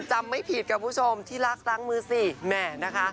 ไม่ผิดกับผู้ชมที่รักล้างมือสิแหม่นะคะ